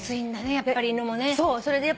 やっぱり犬もね。